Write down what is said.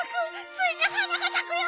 ついに花がさくよ！